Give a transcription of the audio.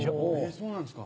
そうなんですか。